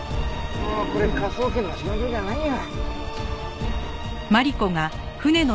もうこれ科捜研の仕事じゃないよ。